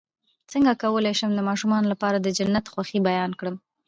څنګه کولی شم د ماشومانو لپاره د جنت د خوښۍ بیان کړم